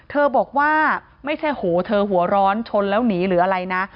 บอกว่าไม่ใช่โหเธอหัวร้อนชนแล้วหนีหรืออะไรนะ